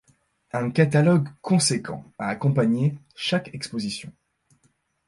Un catalogue conséquent a accompagné chaque exposition.